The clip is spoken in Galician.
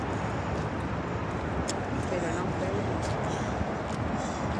pero non veu ninguén.